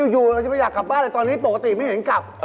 อยู่เราจะไม่อยากกลับบ้านเลยตอนนี้ปกติไม่เห็นกลับ